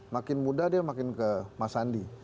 makin muda dia makin ke mas andi